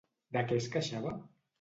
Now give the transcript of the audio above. De què es queixava?